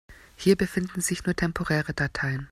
Hier befinden sich nur temporäre Dateien.